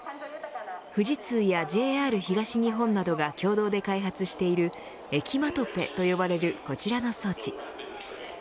富士通やＪＲ東日本などが共同で開発しているエキマトペと呼ばれるこちらの装置。